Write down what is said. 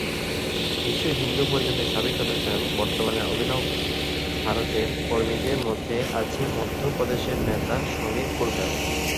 বিশ্ব হিন্দু পরিষদের সাবেক সদস্য এবং বর্তমানে অভিনব ভারতের কর্মীদের মধ্যে আছে মধ্য প্রদেশের নেতা সমীর কুলকার্নি।